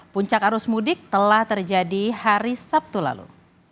puncak arus mudik telah terjadi hari sabtu lalu